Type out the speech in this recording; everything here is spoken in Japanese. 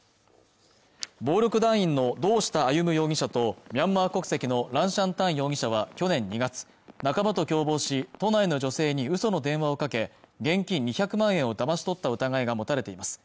暴力団員の堂下歩容疑者とミャンマー国籍のラン・シャン・タン容疑者は去年２月仲間と共謀し都内の女性にうその電話をかけ現金２００万円をだまし取った疑いが持たれています